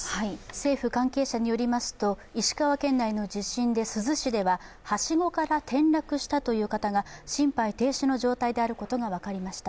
政府関係者によりますと石川県内の地震で珠洲市でははしごから転落したという方が心肺停止の状態であることが分かりました。